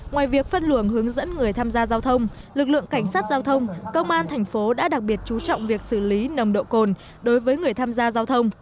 ngoài việc phân luồng hướng dẫn người tham gia giao thông lực lượng cảnh sát giao thông công an thành phố đã đặc biệt chú trọng việc xử lý nồng độ cồn đối với người tham gia giao thông